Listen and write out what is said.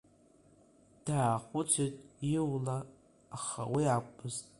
Даахәыцит Иула, аха уи акәмызт…